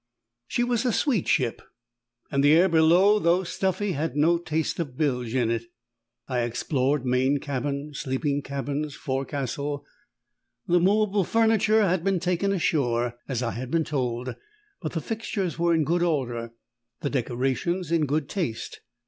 She was a sweet ship; and the air below, though stuffy, had no taste of bilge in it. I explored main cabin, sleeping cabins, forecastle. The movable furniture had been taken ashore, as I had been told; but the fixtures were in good order, the decorations in good taste.